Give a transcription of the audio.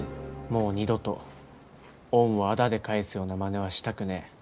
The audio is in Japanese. もう二度と恩をあだで返すようなまねはしたくねえ。